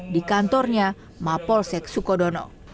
di kantornya mapolsek sukodono